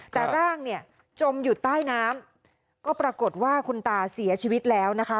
แต่ร่างเนี่ยจมอยู่ใต้น้ำก็ปรากฏว่าคุณตาเสียชีวิตแล้วนะคะ